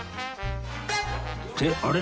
ってあれ？